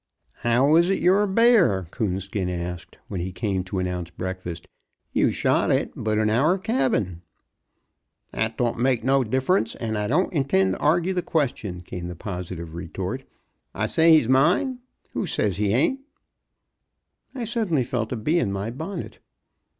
"How is it your bear?" Coonskin asked, when he came to announce breakfast. "You shot it, but in our cabin." "That don't make no difference, and I don't intend arguing the question," came the positive retort; "I say he's mine who says he hain't?" I suddenly felt a bee in my bonnet.